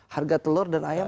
harga telur dan ayam